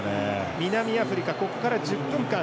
南アフリカここから１０分間